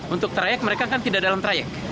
untuk trayek mereka kan tidak dalam trayek